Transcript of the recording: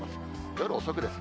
夜遅くです。